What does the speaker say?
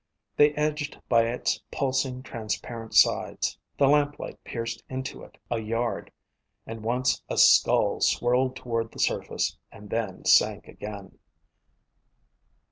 They edged by its pulsing, transparent sides. The lamp light pierced into it a yard, and once a skull swirled toward the surface and then sank again.